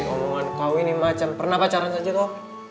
ini omongan kau ini macam pernah pacaran saja kau